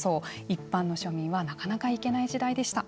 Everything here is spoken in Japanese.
一般の庶民はなかなか行けない時代でした。